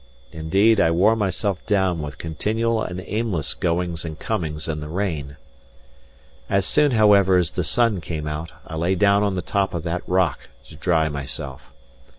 Indeed, I wore myself down with continual and aimless goings and comings in the rain. As soon, however, as the sun came out, I lay down on the top of that rock to dry myself.